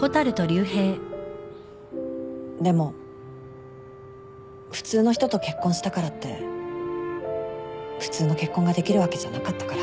でも普通の人と結婚したからって普通の結婚ができるわけじゃなかったから。